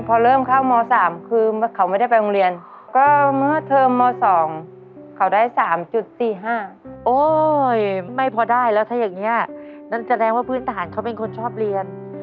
พอเริ่มเข้าม๓คือเขาไม่ได้ไปโรงเรียน